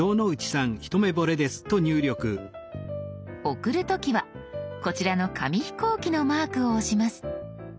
送る時はこちらの紙飛行機のマークを押します。